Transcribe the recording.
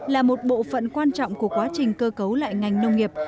là một bộ phận quan trọng của quá trình cơ cấu lại ngành nông nghiệp